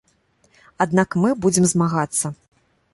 Аднак мы будзем змагацца.